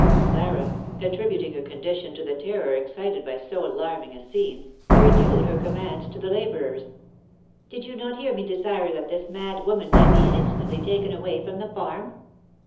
Clara, attributing her condition to the terror excited by so alarming a scene, renewed her commands to the labourers, "Did you not hear me desire that this mad woman might be instantly taken away from the farm?